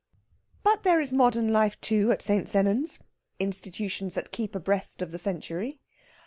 But there is modern life, too, at St. Sennans institutions that keep abreast of the century.